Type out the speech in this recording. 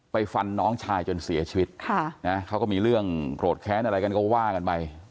ฟันน้องชายจนเสียชีวิตค่ะนะเขาก็มีเรื่องโกรธแค้นอะไรกันก็ว่ากันไป